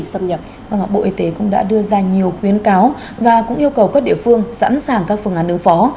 chúng tôi đã đưa ra nhiều khuyến cáo và cũng yêu cầu các địa phương sẵn sàng các phương án ứng phó